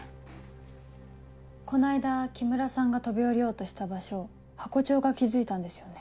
この間木村さんが飛び降りようとした場所ハコ長が気付いたんですよね。